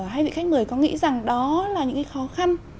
hai vị khách mời có nghĩ rằng đó là những cái khó khăn